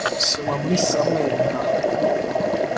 Soma muri Samweli na